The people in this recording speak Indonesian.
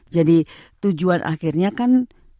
jadi tujuan akhirnya kan